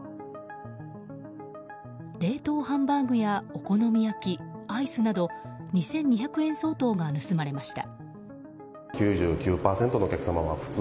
冷凍ハンバーグやお好み焼きアイスなど２２００円相当が盗まれました。